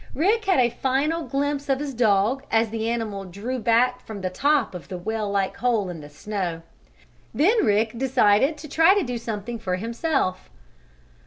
Rick had a final glimpse of his dog as the animal drew back from the top of the well like hole in the snow. Then Rick decided to try to do something for himself.